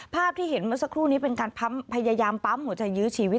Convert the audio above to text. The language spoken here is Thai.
ภาพที่เห็นเมื่อสักครู่นี้เป็นการพยายามปั๊มหัวใจยื้อชีวิต